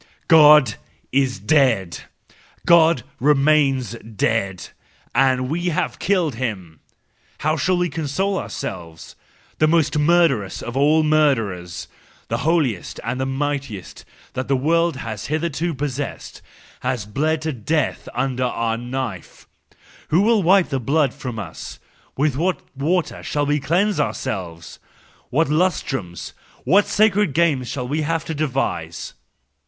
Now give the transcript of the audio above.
God is dead! God remains dead ! And we have killed him! How shall we console our¬ selves, the most murderous of all murderers ? The holiest and the mightiest that the world has hitherto possessed, has bled to death under our knife,—who will wipe the blood from us? With what water could we cleanse ourselves ? What lustrums, what sacred games shall we have to devise?